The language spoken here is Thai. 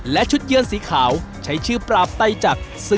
และชุดเยือนสีขาวใช้ชื่อปราบไตจักร